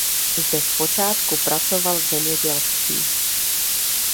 Zde zpočátku pracoval v zemědělství.